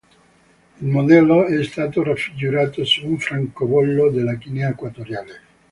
Il modello è stato raffigurato su un francobollo della Guinea Equatoriale.